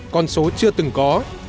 con số chưa từng có